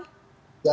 pak ketan kumham